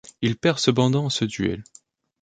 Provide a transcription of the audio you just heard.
Il perd cependant ce duel.